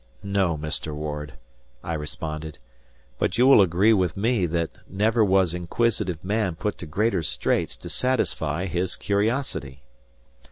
"No, Mr. Ward," I responded, "but you will agree with me that never was inquisitive man put to greater straits to satisfy his curiosity."